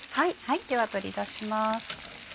では取り出します。